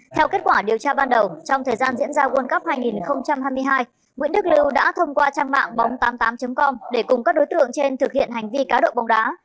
theo kết quả điều tra ban đầu trong thời gian diễn ra world cup hai nghìn hai mươi hai nguyễn đức lưu đã thông qua trang mạng bóng tám mươi tám com để cùng các đối tượng trên thực hiện hành vi cá độ bóng đá